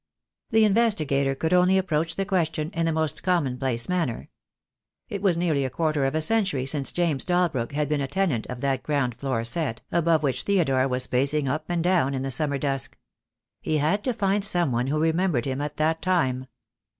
The investigator could only approach the question in the most common place manner. It was nearly a quarter of a century since James Dalbrook had been a tenant of that ground floor set, above which Theodore was pacing up and down in the summer dusk. He had to find some one who remembered him at that time.